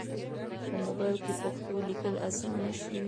په موبایل کې پښتو لیکل اسانه شوي.